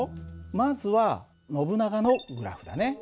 まずはノブナガのグラフだね。